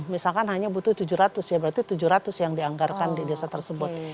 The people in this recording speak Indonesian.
misalkan hanya butuh tujuh ratus ya berarti tujuh ratus yang dianggarkan di desa tersebut